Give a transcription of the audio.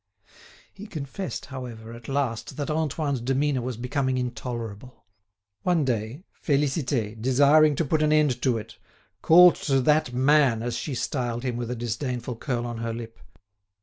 He confessed, however, at last that Antoine's demeanour was becoming intolerable. One day, Félicité, desiring to put an end to it, called to "that man," as she styled him with a disdainful curl on her lip.